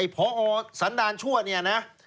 พอสันดาลชั่วเนี่ยนะ